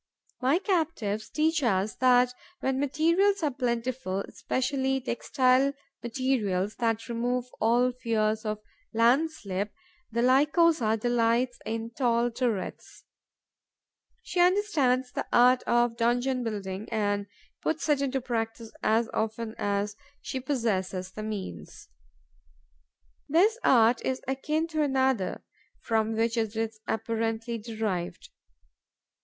My captives teach us that, when materials are plentiful, especially textile materials that remove all fears of landslip, the Lycosa delights in tall turrets. She understands the art of donjon building and puts it into practice as often as she possesses the means. This art is akin to another, from which it is apparently derived.